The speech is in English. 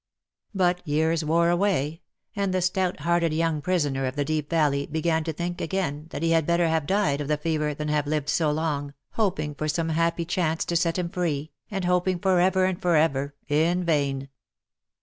But years wore away, and the stout hearted young prisoner of the Deep Valley began again to think that he had better have died of the fever, than have lived so long, hoping for some happy chance to set him free, and hoping for ever and for ever in vain.